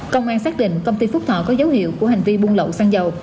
công an xác định công ty phúc thọ có dấu hiệu của hành vi buôn lậu xăng dầu